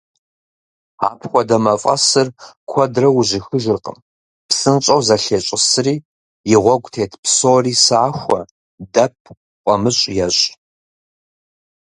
Апхуэдэ мафӀэсыр куэдрэ ужьыхыжыркъым, псынщӀэу зэлъещӏысри, и гъуэгу тет псори сахуэ, дэп, фӀамыщӀ ещӏ.